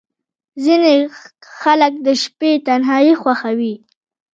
• ځینې خلک د شپې تنهايي خوښوي.